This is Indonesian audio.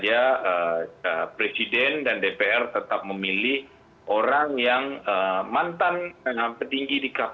jadi kalau kita lihat ke belakang misalkan saja presiden dan dpr tetap memilih orang yang mantan petinggi di kpk tetapi terbukti melakukan penyelidikan